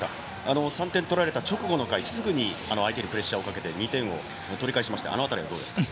３点取られた直後の回すぐに相手にプレッシャーをかけて２点を取り返しましたがどうですか。